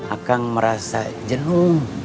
akang merasa jenuh